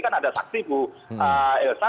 kan ada saksi bu elsa